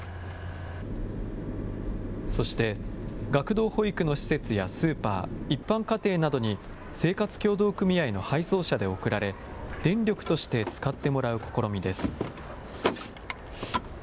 そして学童保育の施設やスーパー、一般家庭などに生活協同組合の配送車で送られ、電力として使ってもらう試みです。